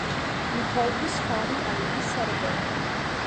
Mi povus fari al li servon.